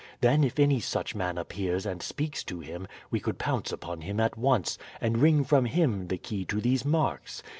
Then if any such man appears and speaks to him we could pounce upon him at once and wring from him the key to these marks.